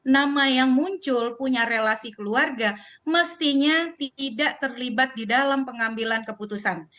nama yang muncul punya relasi keluarga mestinya tidak terlibat di dalam pengambilan keputusan